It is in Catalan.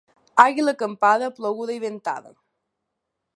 Àguila acampada, ploguda i ventada.